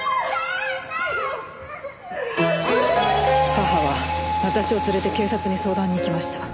母は私を連れて警察に相談に行きました。